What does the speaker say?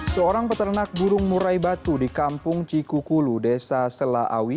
seorang peternak burung murai batu di kampung cikukulu desa selaawi